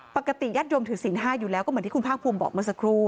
ญาติโยมถือศีล๕อยู่แล้วก็เหมือนที่คุณภาคภูมิบอกเมื่อสักครู่